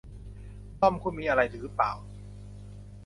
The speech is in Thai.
ทอม คุณมีอะไรหรือเปล่า